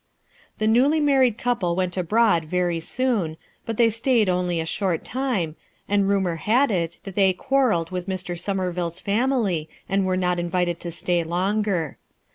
The newly married couple went abroad very soon, but they stayed only a short time, and FOR MAYBELLE'S SAKE 20Q rumor had it that they quarrelled with M r . gomervihVs family and were not invited to stay longer.